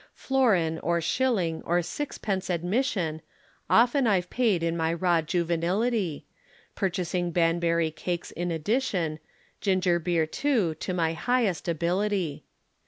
Florin, or shilling, or sixpence admission, Often I've paid in my raw juvenility, Purchasing Banbury cakes in addition, Ginger beer, too, to my highest ability.